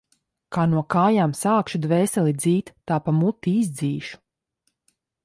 Kā no kājām sākšu dvēseli dzīt, tā pa muti izdzīšu.